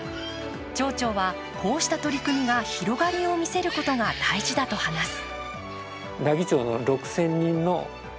町長は、こうした取り組みが広がりを見せることが大事だと話す。